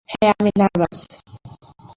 হ্যাঁ, আমি নার্ভাস।